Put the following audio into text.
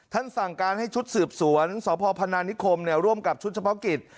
สั่งการให้ชุดสืบสวนสพพนานิคมร่วมกับชุดเฉพาะกิจ